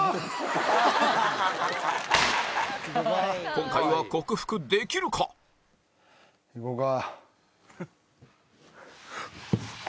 今回は克服できるか？いこうか。